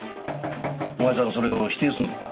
お前さんそれを否定するのか？